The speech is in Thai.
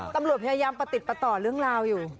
ตำรวจพยายามประติดประต่อเรื่องราวอยู่